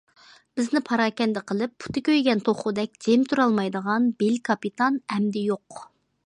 بىزنى پاراكەندە قىلىپ پۇتى كۆيگەن توخۇدەك جىم تۇرالمايدىغان بىل كاپىتان ئەمدى يوق.